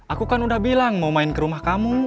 aku kan udah bilang mau main ke rumah kamu